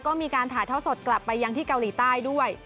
ก็มีการถ่ายท่อสดกลับไปยังที่เกาหลีใต้ด้วย